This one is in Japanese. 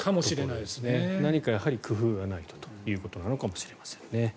何か工夫がないとということなのかもしれません。